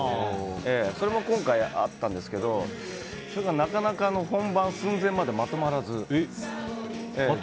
それも今回あったんですけどそれが、なかなか本番寸前までまとまらず。